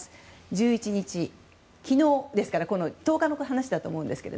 １１日、昨日ですから１０日の話だと思うんですが。